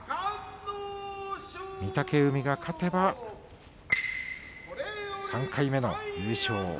御嶽海が勝てば３回目の優勝。